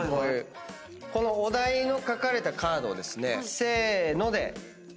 このお題の描かれたカードをせーので。